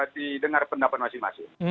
didengar pendapat masing masing